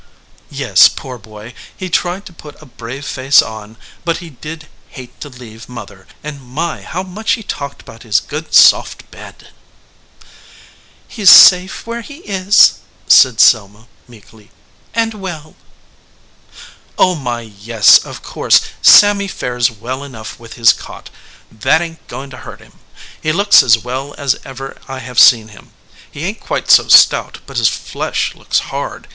"Yes, poor boy. He tried to put a brave face on, but he did hate to leave mother ; and my, how much he talked about his good soft bed !" "He s safe where he is," said Selma, meekly "and well." "Oh my, yes; of course Sammy fares well enough with his cot. That ain t goin to hurt him. He looks as well as ever I have seen him. He ain t quite so stout, but his flesh looks hard.